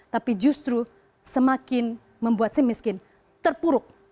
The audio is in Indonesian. tapi justru semakin membuat si miskin terpuruk